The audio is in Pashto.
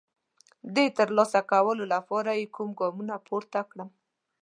د ترلاسه کولو لپاره یې کوم ګامونه پورته کړم؟